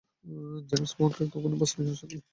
James বন্ডকে কখনই বাস্তব জীবনের সাথে মোকাবিলা করতে হয় না।